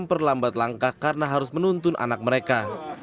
tapi perlambat langkah karena harus menuntun anak mereka